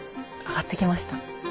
上がってきました。